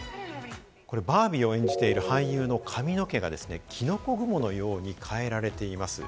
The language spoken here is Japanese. これ、バービーを演じている俳優の髪の毛がですね、キノコ雲のように変えられています。